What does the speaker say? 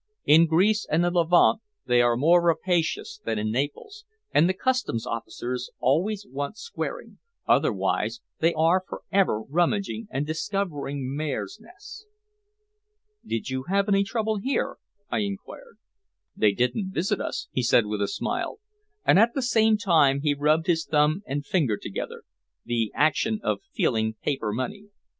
"In Greece and the Levant they are more rapacious than in Naples, and the Customs officers always want squaring, otherwise they are for ever rummaging and discovering mares' nests." "Did you have any trouble here?" I inquired. "They didn't visit us," he said with a smile, and at the same time he rubbed his thumb and finger together, the action of feeling paper money.